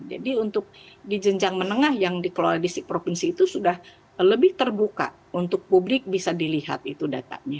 jadi untuk di jenjang menengah yang di kuala lumpur itu sudah lebih terbuka untuk publik bisa dilihat itu datanya